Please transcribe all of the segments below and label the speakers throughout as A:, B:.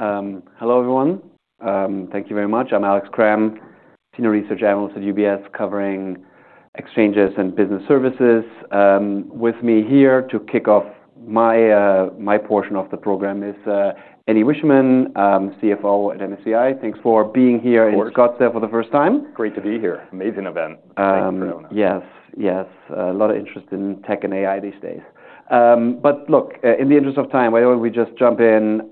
A: Right. Hello everyone. Thank you very much. I'm Alex Kramm, Senior Research Analyst at UBS, covering exchanges and business services. With me here to kick off my portion of the program is Andy Wiechmann, CFO at MSCI. Thanks for being here in.
B: Of course.
A: Scottsdale for the first time.
B: Great to be here. Amazing event. Thank you for doing it.
A: Yes. Yes. A lot of interest in tech and AI these days. Look, in the interest of time, why don't we just jump in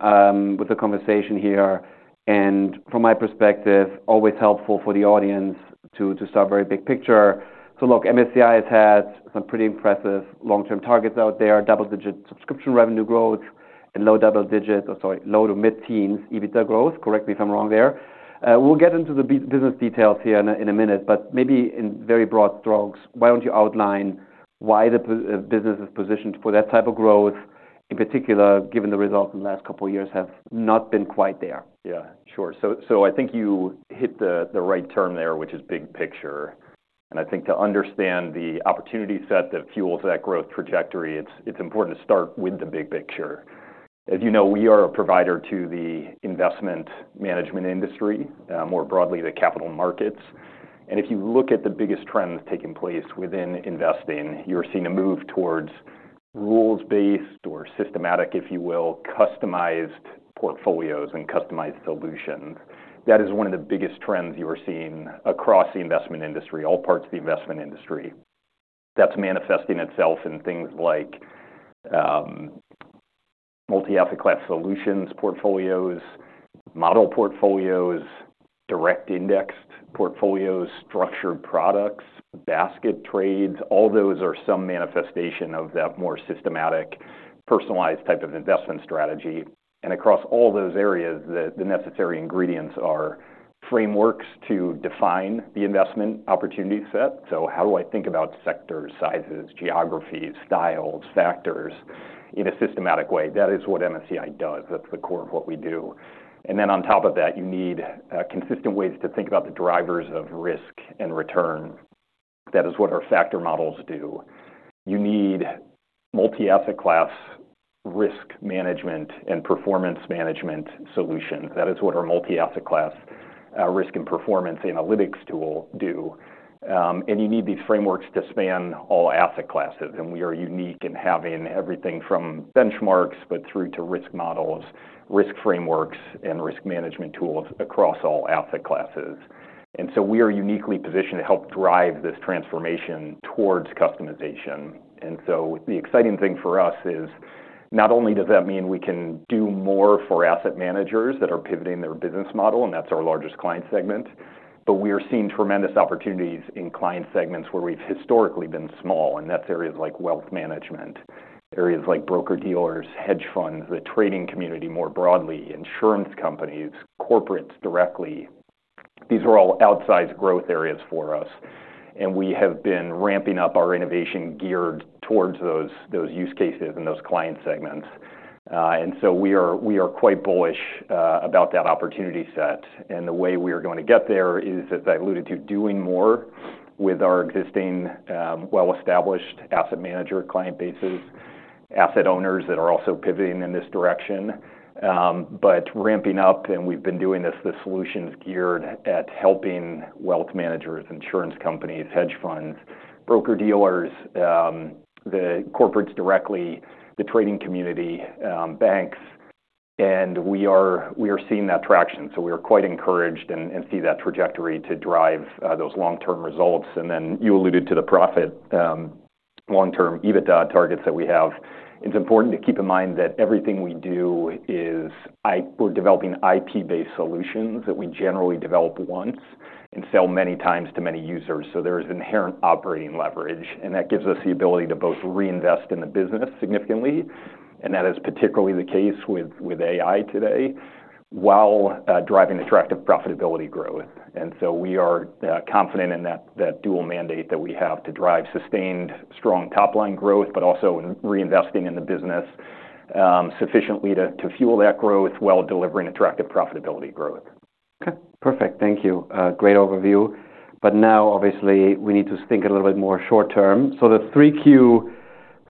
A: with the conversation here? From my perspective, always helpful for the audience to start very big picture. Look, MSCI has had some pretty impressive long-term targets out there: double-digit subscription revenue growth and low to mid-teens EBITDA growth. Correct me if I'm wrong there. We'll get into the business details here in a minute, but maybe in very broad strokes, why don't you outline why the business is positioned for that type of growth, in particular, given the results in the last couple of years have not been quite there?
B: Yeah. Sure. I think you hit the right term there, which is big picture. I think to understand the opportunity set that fuels that growth trajectory, it's important to start with the big picture. As you know, we are a provider to the investment management industry, more broadly the capital markets. If you look at the biggest trends taking place within investing, you're seeing a move towards rules-based or systematic, if you will, customized portfolios and customized solutions. That is one of the biggest trends you're seeing across the investment industry, all parts of the investment industry. That's manifesting itself in things like multi-asset class solutions portfolios, model portfolios, direct indexed portfolios, structured products, basket trades. All those are some manifestation of that more systematic, personalized type of investment strategy. Across all those areas, the necessary ingredients are frameworks to define the investment opportunity set. How do I think about sector sizes, geographies, styles, factors in a systematic way? That is what MSCI does. That is the core of what we do. On top of that, you need consistent ways to think about the drivers of risk and return. That is what our factor models do. You need multi-asset class risk management and performance management solutions. That is what our multi-asset class risk and performance analytics tool do. You need these frameworks to span all asset classes. We are unique in having everything from benchmarks through to risk models, risk frameworks, and risk management tools across all asset classes. We are uniquely positioned to help drive this transformation towards customization. The exciting thing for us is not only does that mean we can do more for asset managers that are pivoting their business model, and that's our largest client segment, but we are seeing tremendous opportunities in client segments where we've historically been small, and that's areas like wealth management, areas like broker-dealers, hedge funds, the trading community more broadly, insurance companies, corporates directly. These are all outsized growth areas for us. We have been ramping up our innovation geared towards those use cases and those client segments. We are quite bullish about that opportunity set. The way we are going to get there is, as I alluded to, doing more with our existing, well-established asset manager client bases, asset owners that are also pivoting in this direction, but ramping up. We have been doing this, the solutions geared at helping wealth managers, insurance companies, hedge funds, broker-dealers, the corporates directly, the trading community, banks. We are seeing that traction. We are quite encouraged and see that trajectory to drive those long-term results. You alluded to the profit, long-term EBITDA targets that we have. It is important to keep in mind that everything we do is, we are developing IP-based solutions that we generally develop once and sell many times to many users. There is inherent operating leverage, and that gives us the ability to both reinvest in the business significantly, and that is particularly the case with AI today, while driving attractive profitability growth. We are confident in that dual mandate that we have to drive sustained strong top-line growth, but also in reinvesting in the business sufficiently to fuel that growth while delivering attractive profitability growth.
A: Okay. Perfect. Thank you. Great overview. Now, obviously, we need to think a little bit more short-term. The 3Q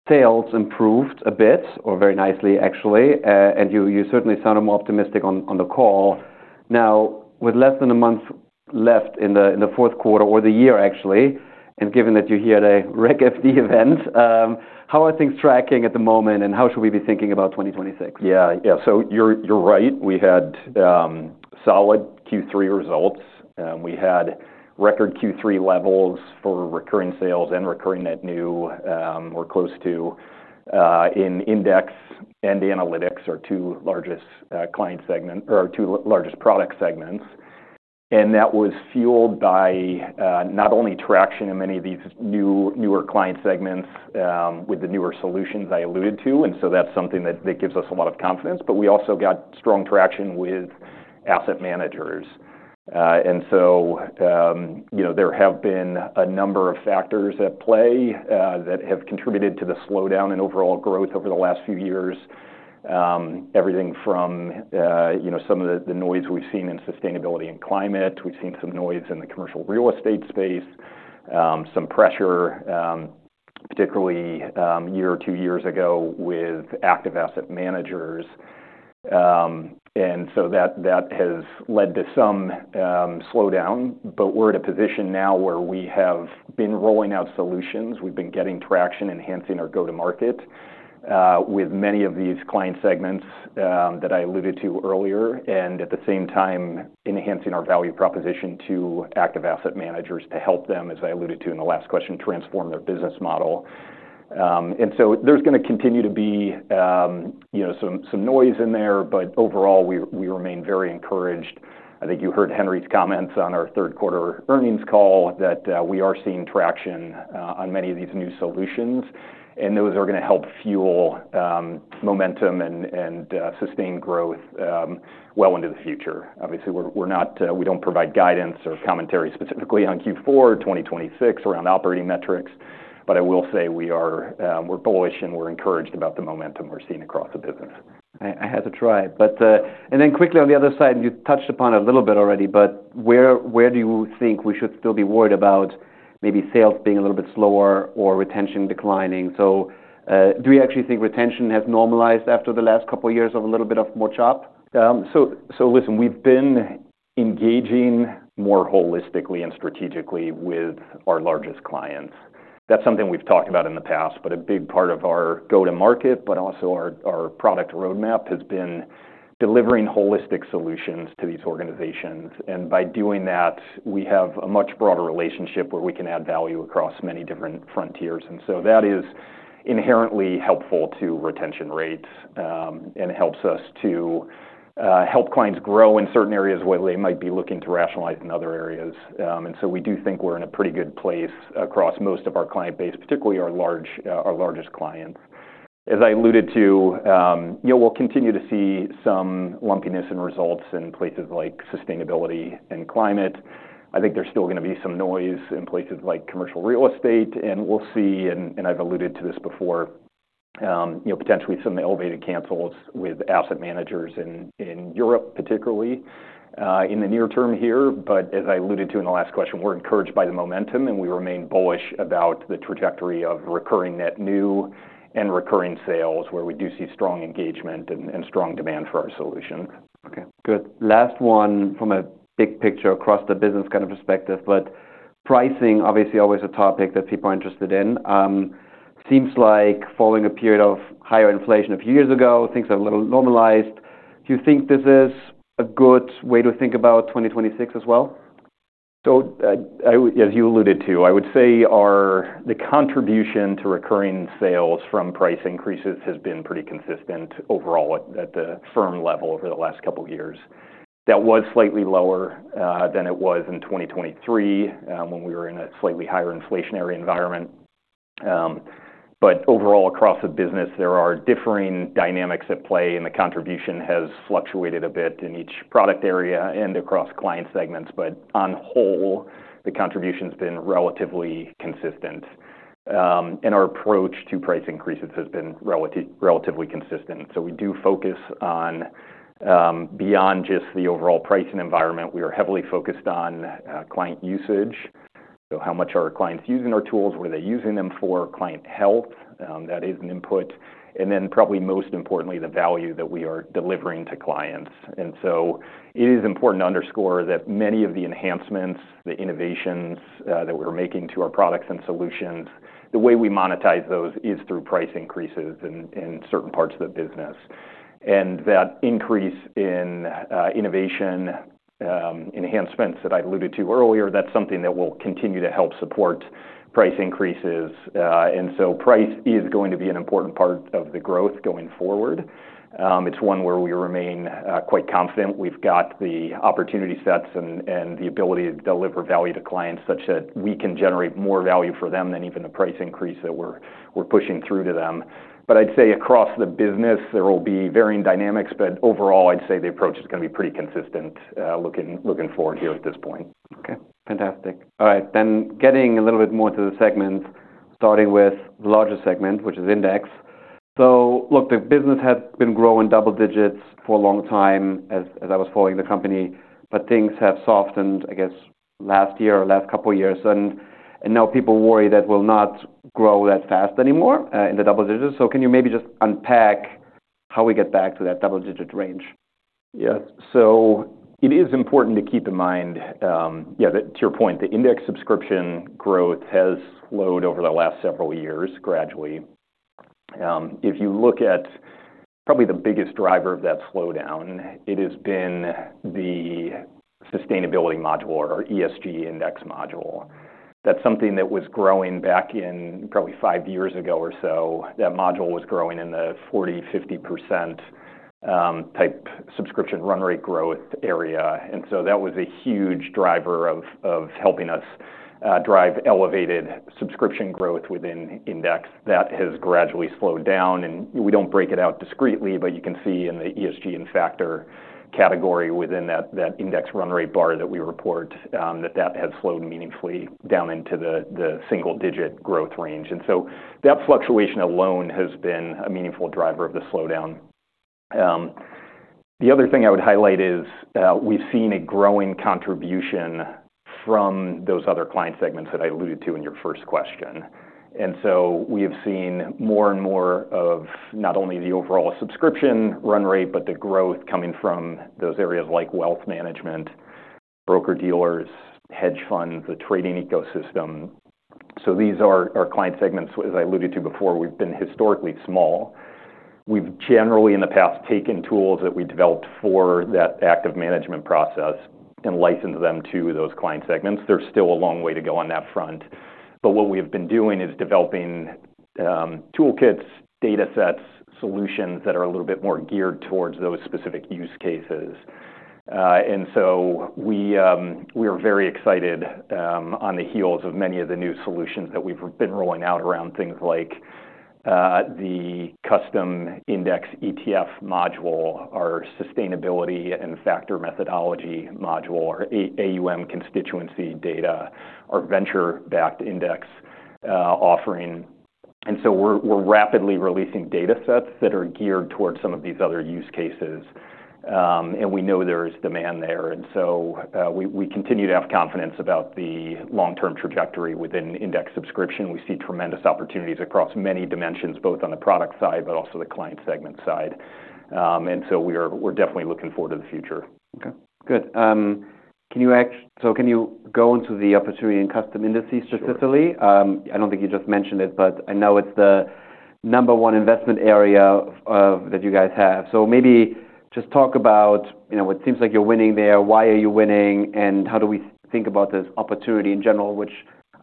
A: sales improved a bit, or very nicely, actually. You certainly sounded more optimistic on the call. Now, with less than a month left in the fourth quarter or the year, actually, and given that you're here at a Reg FD event, how are things tracking at the moment, and how should we be thinking about 2026?
B: Yeah. Yeah. You're right. We had solid Q3 results. We had record Q3 levels for recurring sales and recurring net new, or close to, in index, and analytics are two largest client segment or two largest product segments. That was fueled by not only traction in many of these newer client segments, with the newer solutions I alluded to. That's something that gives us a lot of confidence. We also got strong traction with asset managers. You know, there have been a number of factors at play that have contributed to the slowdown in overall growth over the last few years. Everything from, you know, some of the noise we've seen in sustainability and climate. We've seen some noise in the commercial real estate space, some pressure, particularly a year or two years ago with active asset managers. That has led to some slowdown. We are in a position now where we have been rolling out solutions. We have been getting traction, enhancing our go-to-market with many of these client segments that I alluded to earlier, and at the same time, enhancing our value proposition to active asset managers to help them, as I alluded to in the last question, transform their business model. There is going to continue to be, you know, some noise in there. Overall, we remain very encouraged. I think you heard Henry's comments on our third-quarter earnings call that we are seeing traction on many of these new solutions, and those are going to help fuel momentum and sustained growth well into the future. Obviously, we don't provide guidance or commentary specifically on Q4 2026 around operating metrics, but I will say we are bullish, and we're encouraged about the momentum we're seeing across the business.
A: I had to try. And then quickly on the other side, you touched upon a little bit already, but where do you think we should still be worried about maybe sales being a little bit slower or retention declining? Do you actually think retention has normalized after the last couple of years of a little bit of more chop?
B: Listen, we've been engaging more holistically and strategically with our largest clients. That's something we've talked about in the past, but a big part of our go-to-market, but also our product roadmap, has been delivering holistic solutions to these organizations. By doing that, we have a much broader relationship where we can add value across many different frontiers. That is inherently helpful to retention rates, and helps us to help clients grow in certain areas where they might be looking to rationalize in other areas. We do think we're in a pretty good place across most of our client base, particularly our largest clients. As I alluded to, you know, we'll continue to see some lumpiness in results in places like sustainability and climate. I think there's still gonna be some noise in places like commercial real estate, and we'll see, and I've alluded to this before, you know, potentially some elevated cancels with asset managers in Europe, particularly, in the near term here. As I alluded to in the last question, we're encouraged by the momentum, and we remain bullish about the trajectory of recurring net new and recurring sales where we do see strong engagement and strong demand for our solutions.
A: Okay. Good. Last one from a big picture across the business kind of perspective, but pricing, obviously, always a topic that people are interested in. Seems like following a period of higher inflation a few years ago, things have a little normalized. Do you think this is a good way to think about 2026 as well?
B: As you alluded to, I would say the contribution to recurring sales from price increases has been pretty consistent overall at the firm level over the last couple of years. That was slightly lower than it was in 2023, when we were in a slightly higher inflationary environment. Overall, across the business, there are differing dynamics at play, and the contribution has fluctuated a bit in each product area and across client segments. On whole, the contribution's been relatively consistent. Our approach to price increases has been relatively consistent. We do focus on, beyond just the overall pricing environment, we are heavily focused on client usage. How much are our clients using our tools? What are they using them for? Client health, that is an input. Then probably most importantly, the value that we are delivering to clients. It is important to underscore that many of the enhancements, the innovations, that we're making to our products and solutions, the way we monetize those is through price increases in certain parts of the business. That increase in innovation, enhancements that I alluded to earlier, that's something that will continue to help support price increases. Price is going to be an important part of the growth going forward. It's one where we remain quite confident we've got the opportunity sets and the ability to deliver value to clients such that we can generate more value for them than even the price increase that we're pushing through to them. I'd say across the business, there will be varying dynamics, but overall, I'd say the approach is gonna be pretty consistent, looking forward here at this point.
A: Okay. Fantastic. All right. Getting a little bit more to the segments, starting with the larger segment, which is index. Look, the business had been growing double digits for a long time as I was following the company, but things have softened, I guess, last year, last couple of years. Now people worry that we'll not grow that fast anymore, in the double digits. Can you maybe just unpack how we get back to that double digit range?
B: Yes. It is important to keep in mind, yeah, that to your point, the index subscription growth has slowed over the last several years gradually. If you look at probably the biggest driver of that slowdown, it has been the sustainability module or ESG index module. That's something that was growing back in probably five years ago or so. That module was growing in the 40%-50% type subscription run rate growth area. That was a huge driver of helping us drive elevated subscription growth within index. That has gradually slowed down. We do not break it out discreetly, but you can see in the ESG and factor category within that index run rate bar that we report, that that has slowed meaningfully down into the single-digit growth range. That fluctuation alone has been a meaningful driver of the slowdown. The other thing I would highlight is, we've seen a growing contribution from those other client segments that I alluded to in your first question. We have seen more and more of not only the overall subscription run rate, but the growth coming from those areas like wealth management, broker-dealers, hedge funds, the trading ecosystem. These are our client segments. As I alluded to before, we've been historically small. We've generally, in the past, taken tools that we developed for that active management process and licensed them to those client segments. There's still a long way to go on that front. What we have been doing is developing toolkits, data sets, solutions that are a little bit more geared towards those specific use cases. We are very excited, on the heels of many of the new solutions that we've been rolling out around things like the custom index ETF module, our sustainability and factor methodology module, our AAUM constituency data, our venture-backed index offering. We are rapidly releasing data sets that are geared towards some of these other use cases, and we know there is demand there. We continue to have confidence about the long-term trajectory within index subscription. We see tremendous opportunities across many dimensions, both on the product side but also the client segment side. We are definitely looking forward to the future.
A: Okay. Good. Can you go into the opportunity in custom indices specifically?
B: Sure.
A: I don't think you just mentioned it, but I know it's the number one investment area of that you guys have. Maybe just talk about, you know, it seems like you're winning there. Why are you winning, and how do we think about this opportunity in general, which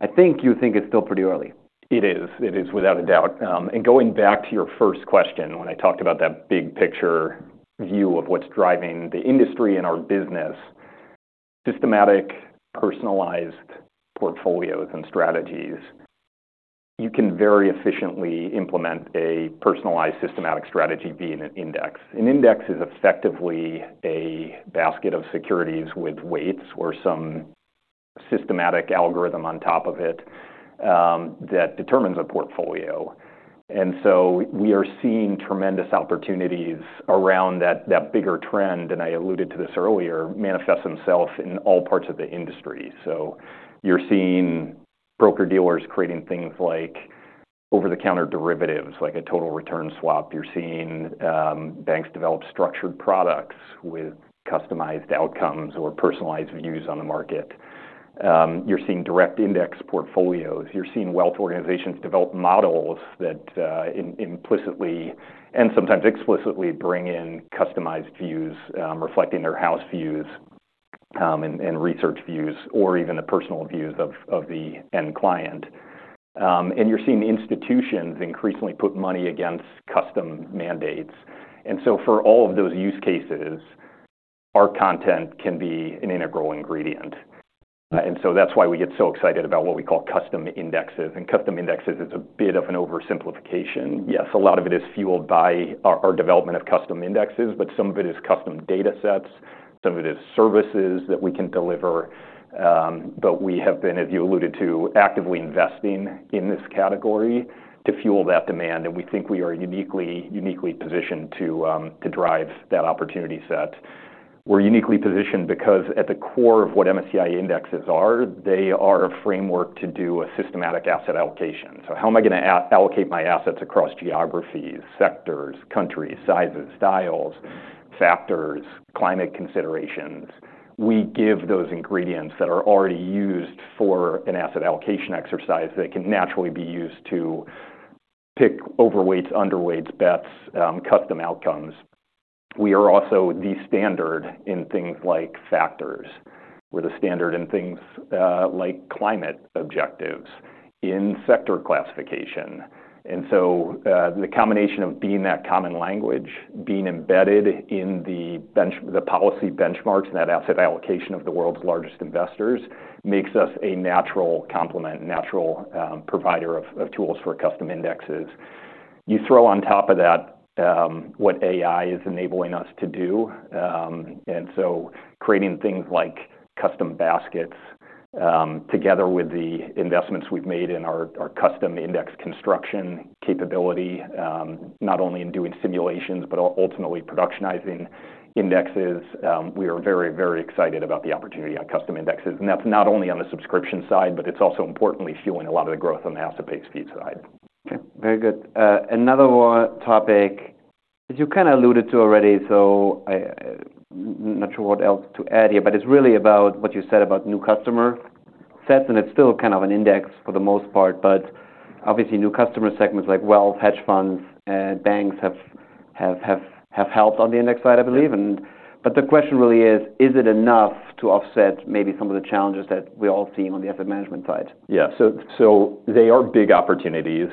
A: I think you think is still pretty early?
B: It is. It is without a doubt. And going back to your first question, when I talked about that big picture view of what's driving the industry and our business, systematic, personalized portfolios and strategies, you can very efficiently implement a personalized systematic strategy via an index. An index is effectively a basket of securities with weights or some systematic algorithm on top of it, that determines a portfolio. We are seeing tremendous opportunities around that, that bigger trend. I alluded to this earlier, manifests themselves in all parts of the industry. You are seeing broker-dealers creating things like over-the-counter derivatives, like a total return swap. You are seeing banks develop structured products with customized outcomes or personalized views on the market. You are seeing direct index portfolios. You're seeing wealth organizations develop models that, implicitly and sometimes explicitly, bring in customized views, reflecting their house views and research views, or even the personal views of the end client. You're seeing institutions increasingly put money against custom mandates. For all of those use cases, our content can be an integral ingredient. That's why we get so excited about what we call custom indexes. Custom indexes is a bit of an oversimplification. Yes, a lot of it is fueled by our development of custom indexes, but some of it is custom data sets. Some of it is services that we can deliver. We have been, as you alluded to, actively investing in this category to fuel that demand. We think we are uniquely positioned to drive that opportunity set. We're uniquely positioned because at the core of what MSCI indexes are, they are a framework to do a systematic asset allocation. How am I gonna allocate my assets across geographies, sectors, countries, sizes, styles, factors, climate considerations? We give those ingredients that are already used for an asset allocation exercise that can naturally be used to pick overweights, underweights, bets, custom outcomes. We are also the standard in things like factors. We're the standard in things like climate objectives in sector classification. The combination of being that common language, being embedded in the policy benchmarks and that asset allocation of the world's largest investors makes us a natural complement, natural provider of tools for custom indexes. You throw on top of that what AI is enabling us to do, and so creating things like custom baskets, together with the investments we've made in our custom index construction capability, not only in doing simulations, but ultimately productionizing indexes, we are very, very excited about the opportunity on custom indexes. That's not only on the subscription side, but it's also importantly fueling a lot of the growth on the asset-based fee side.
A: Okay. Very good. Another topic that you kind of alluded to already. I am not sure what else to add here, but it is really about what you said about new customer sets. It is still kind of an index for the most part, but obviously new customer segments like wealth, hedge funds, and banks have helped on the index side, I believe. The question really is, is it enough to offset maybe some of the challenges that we are all seeing on the asset management side?
B: Yeah. They are big opportunities.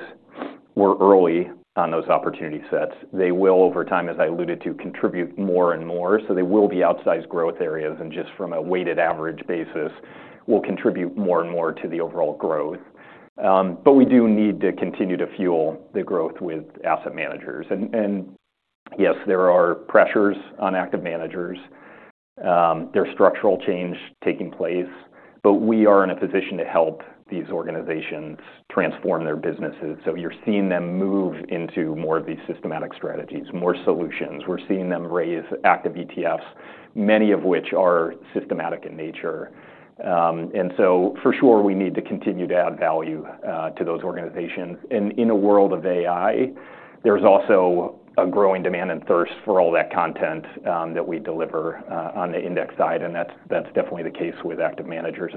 B: We're early on those opportunity sets. They will, over time, as I alluded to, contribute more and more. They will be outsized growth areas. Just from a weighted average basis, they will contribute more and more to the overall growth. We do need to continue to fuel the growth with asset managers. Yes, there are pressures on active managers. There is structural change taking place, but we are in a position to help these organizations transform their businesses. You are seeing them move into more of these systematic strategies, more solutions. We are seeing them raise active ETFs, many of which are systematic in nature. For sure, we need to continue to add value to those organizations. In a world of AI, there's also a growing demand and thirst for all that content that we deliver on the index side. That's definitely the case with active managers.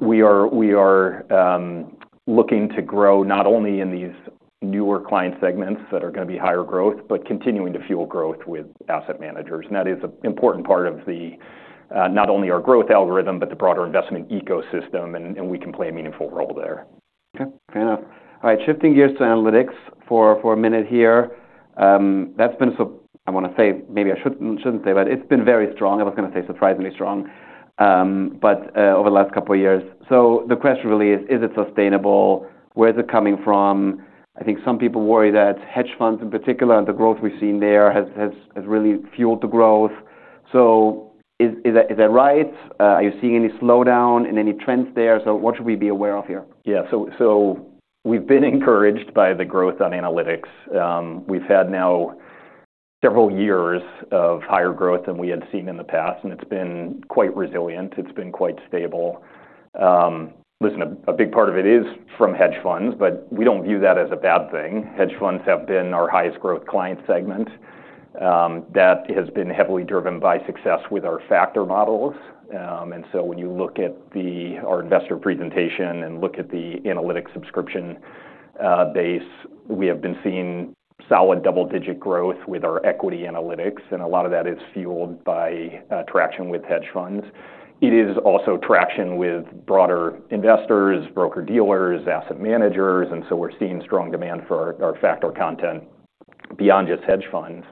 B: We are looking to grow not only in these newer client segments that are gonna be higher growth, but continuing to fuel growth with asset managers. That is an important part of not only our growth algorithm, but the broader investment ecosystem. We can play a meaningful role there.
A: Okay. Fair enough. All right. Shifting gears to analytics for a minute here. That's been, I want to say, maybe I shouldn't say, but it's been very strong. I was going to say surprisingly strong, but over the last couple of years. The question really is, is it sustainable? Where's it coming from? I think some people worry that hedge funds in particular and the growth we've seen there has really fueled the growth. Is that right? Are you seeing any slowdown in any trends there? What should we be aware of here?
B: Yeah. So we've been encouraged by the growth on analytics. We've had now several years of higher growth than we had seen in the past. It's been quite resilient. It's been quite stable. Listen, a big part of it is from hedge funds, but we don't view that as a bad thing. Hedge funds have been our highest growth client segment. That has been heavily driven by success with our factor models. And so when you look at our investor presentation and look at the analytics subscription base, we have been seeing solid double-digit growth with our equity analytics. A lot of that is fueled by traction with hedge funds. It is also traction with broader investors, broker-dealers, asset managers. We're seeing strong demand for our factor content beyond just hedge funds.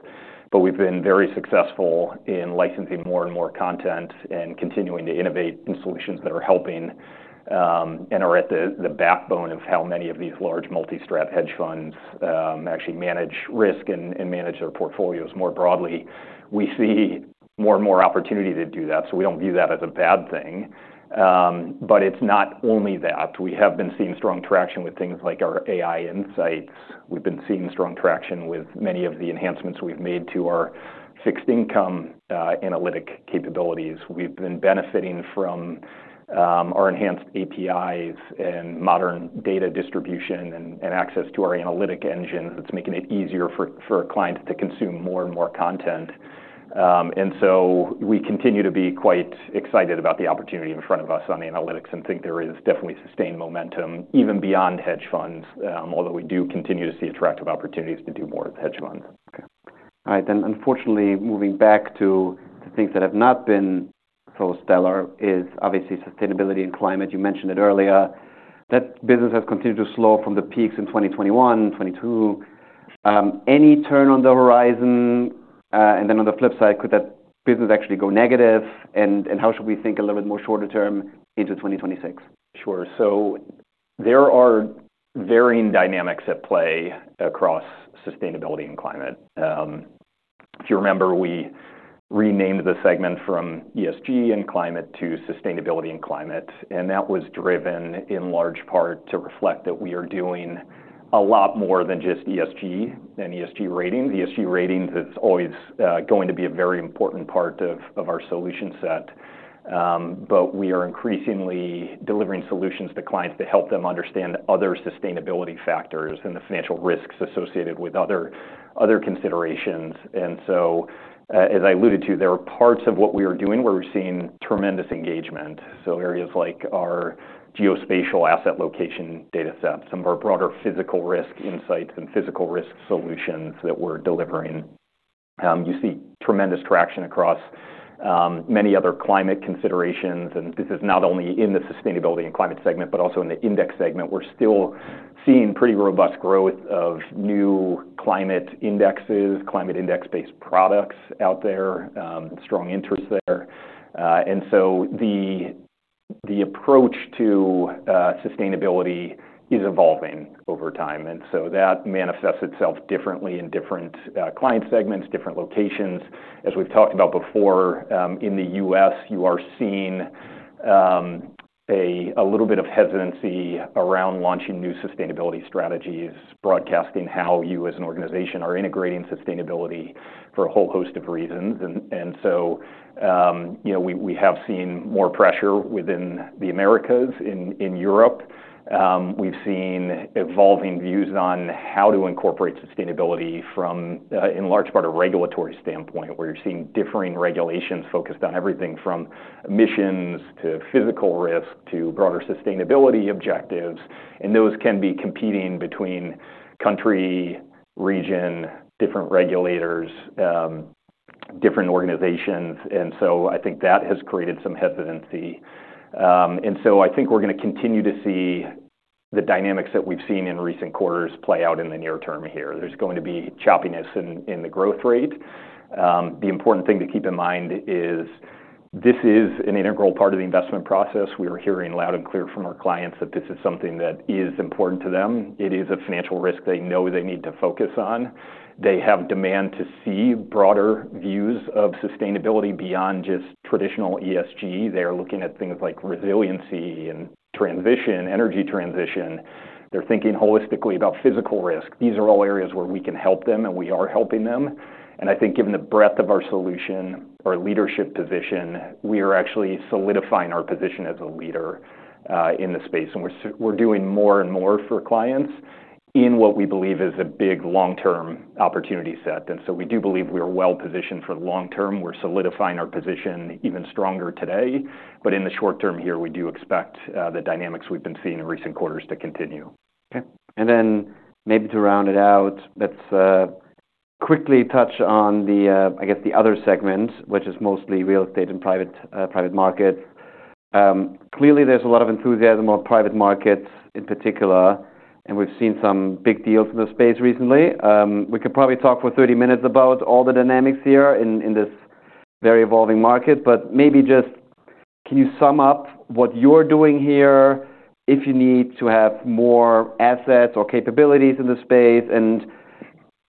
B: We have been very successful in licensing more and more content and continuing to innovate in solutions that are helping, and are at the backbone of how many of these large multi-strap hedge funds actually manage risk and manage their portfolios more broadly. We see more and more opportunity to do that. We do not view that as a bad thing. It is not only that. We have been seeing strong traction with things like our AI insights. We have been seeing strong traction with many of the enhancements we have made to our fixed income analytic capabilities. We have been benefiting from our enhanced APIs and modern data distribution and access to our analytic engine that is making it easier for clients to consume more and more content. We continue to be quite excited about the opportunity in front of us on the analytics and think there is definitely sustained momentum even beyond hedge funds, although we do continue to see attractive opportunities to do more with hedge funds.
A: Okay. All right. Unfortunately, moving back to things that have not been so stellar is obviously sustainability and climate. You mentioned it earlier. That business has continued to slow from the peaks in 2021, 2022. Any turn on the horizon, and on the flip side, could that business actually go negative? How should we think a little bit more shorter term into 2026?
B: Sure. There are varying dynamics at play across sustainability and climate. If you remember, we renamed the segment from ESG and climate to sustainability and climate. That was driven in large part to reflect that we are doing a lot more than just ESG and ESG ratings. ESG ratings is always going to be a very important part of our solution set, but we are increasingly delivering solutions to clients to help them understand other sustainability factors and the financial risks associated with other considerations. As I alluded to, there are parts of what we are doing where we're seeing tremendous engagement. Areas like our geospatial asset location data sets, some of our broader physical risk insights, and physical risk solutions that we're delivering, you see tremendous traction across many other climate considerations. This is not only in the sustainability and climate segment, but also in the index segment. We're still seeing pretty robust growth of new climate indexes, climate index-based products out there, strong interest there. The approach to sustainability is evolving over time. That manifests itself differently in different client segments, different locations. As we've talked about before, in the U.S., you are seeing a little bit of hesitancy around launching new sustainability strategies, broadcasting how you as an organization are integrating sustainability for a whole host of reasons. We have seen more pressure within the Americas. In Europe, we've seen evolving views on how to incorporate sustainability from, in large part, a regulatory standpoint, where you're seeing differing regulations focused on everything from emissions to physical risk to broader sustainability objectives. Those can be competing between country, region, different regulators, different organizations. I think that has created some hesitancy. I think we're gonna continue to see the dynamics that we've seen in recent quarters play out in the near term here. There's going to be choppiness in the growth rate. The important thing to keep in mind is this is an integral part of the investment process. We are hearing loud and clear from our clients that this is something that is important to them. It is a financial risk they know they need to focus on. They have demand to see broader views of sustainability beyond just traditional ESG. They're looking at things like resiliency and transition, energy transition. They're thinking holistically about physical risk. These are all areas where we can help them, and we are helping them. I think given the breadth of our solution, our leadership position, we are actually solidifying our position as a leader in the space. We are doing more and more for clients in what we believe is a big long-term opportunity set. We do believe we are well positioned for the long-term. We are solidifying our position even stronger today. In the short term here, we do expect the dynamics we have been seeing in recent quarters to continue.
A: Okay. Maybe to round it out, let's quickly touch on the, I guess the other segment, which is mostly real estate and private, private markets. Clearly there's a lot of enthusiasm on private markets in particular. We've seen some big deals in the space recently. We could probably talk for 30 minutes about all the dynamics here in this very evolving market. Maybe just can you sum up what you're doing here, if you need to have more assets or capabilities in the space, and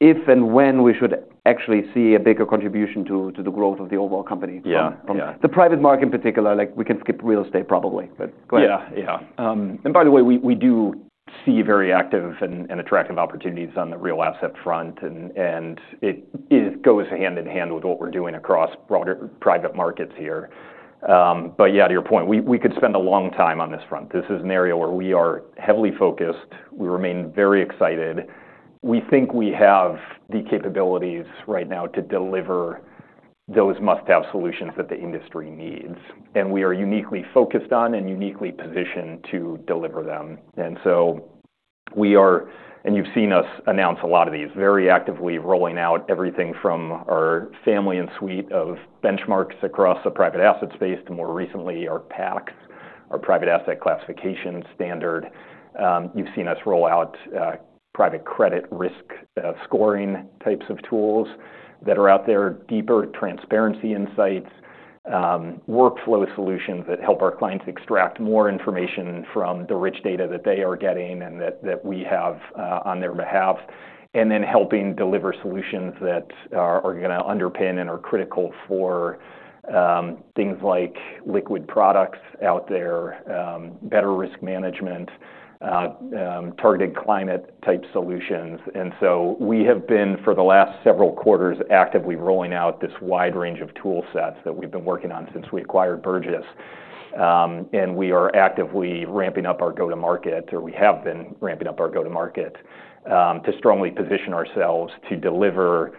A: if and when we should actually see a bigger contribution to the growth of the overall company?
B: Yeah.
A: From the private market in particular, like we can skip real estate probably, but go ahead.
B: Yeah. Yeah. By the way, we do see very active and attractive opportunities on the real asset front. It goes hand in hand with what we're doing across broader private markets here. Yeah, to your point, we could spend a long time on this front. This is an area where we are heavily focused. We remain very excited. We think we have the capabilities right now to deliver those must-have solutions that the industry needs. We are uniquely focused on and uniquely positioned to deliver them. You have seen us announce a lot of these, very actively rolling out everything from our family and suite of benchmarks across the private asset space to more recently our PACS, our private asset classification standard. You've seen us roll out private credit risk scoring types of tools that are out there, deeper transparency insights, workflow solutions that help our clients extract more information from the rich data that they are getting and that we have on their behalf, and then helping deliver solutions that are gonna underpin and are critical for things like liquid products out there, better risk management, targeted climate-type solutions. We have been for the last several quarters actively rolling out this wide range of tool sets that we've been working on since we acquired Burgiss. We are actively ramping up our go-to-market, or we have been ramping up our go-to-market, to strongly position ourselves to deliver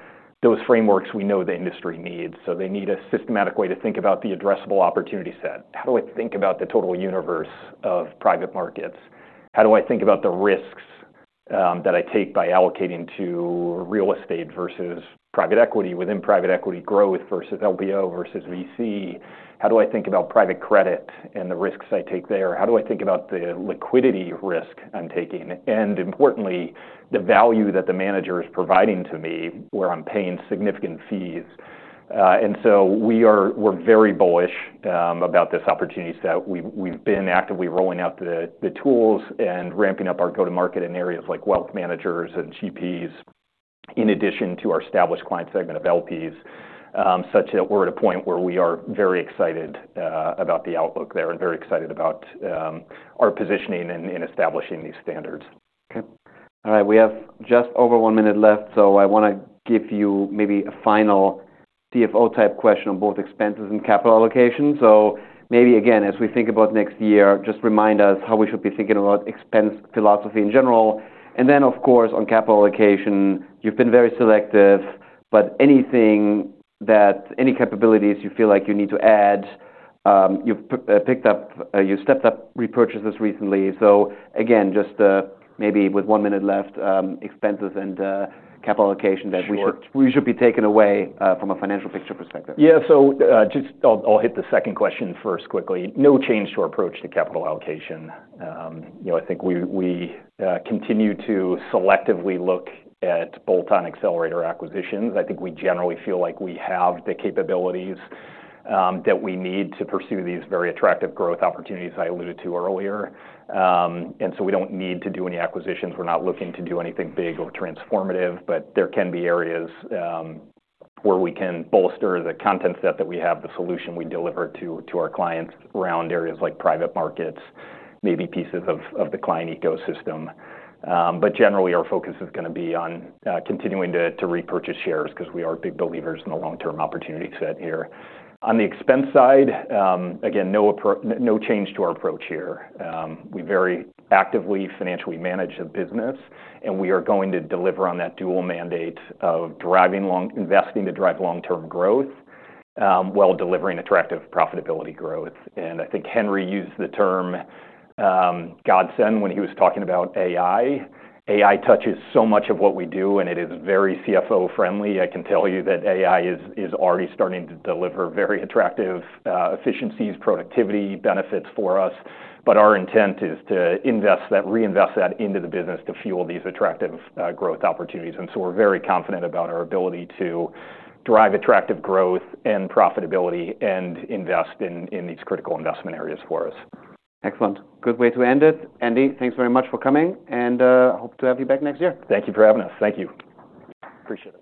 B: those frameworks we know the industry needs. They need a systematic way to think about the addressable opportunity set. How do I think about the total universe of private markets? How do I think about the risks that I take by allocating to real estate versus private equity, within private equity growth versus LBO versus VC? How do I think about private credit and the risks I take there? How do I think about the liquidity risk I'm taking? Importantly, the value that the manager is providing to me where I'm paying significant fees. We are very bullish about this opportunity set. We've been actively rolling out the tools and ramping up our go-to-market in areas like wealth managers and GPs in addition to our established client segment of LPs, such that we're at a point where we are very excited about the outlook there and very excited about our positioning in establishing these standards.
A: Okay. All right. We have just over one minute left. I wanna give you maybe a final CFO-type question on both expenses and capital allocation. Maybe again, as we think about next year, just remind us how we should be thinking about expense philosophy in general. Of course, on capital allocation, you've been very selective, but anything that any capabilities you feel like you need to add, you've picked up, you stepped up repurchases recently. Again, just, maybe with one minute left, expenses and capital allocation that we should, we should be taking away, from a financial picture perspective.
B: Yeah. Just I'll hit the second question first quickly. No change to our approach to capital allocation. You know, I think we continue to selectively look at bolt-on accelerator acquisitions. I think we generally feel like we have the capabilities that we need to pursue these very attractive growth opportunities I alluded to earlier, and so we do not need to do any acquisitions. We are not looking to do anything big or transformative, but there can be areas where we can bolster the content set that we have, the solution we deliver to our clients around areas like private markets, maybe pieces of the client ecosystem. Generally our focus is gonna be on continuing to repurchase shares because we are big believers in the long-term opportunity set here. On the expense side, again, no change to our approach here. We very actively financially manage the business, and we are going to deliver on that dual mandate of driving long, investing to drive long-term growth, while delivering attractive profitability growth. I think Henry used the term, Godsend when he was talking about AI. AI touches so much of what we do, and it is very CFO-friendly. I can tell you that AI is already starting to deliver very attractive efficiencies, productivity benefits for us. Our intent is to invest that, reinvest that into the business to fuel these attractive growth opportunities. We are very confident about our ability to drive attractive growth and profitability and invest in these critical investment areas for us.
A: Excellent. Good way to end it. Andy, thanks very much for coming. Hope to have you back next year.
B: Thank you for having us. Thank you.
A: Appreciate it.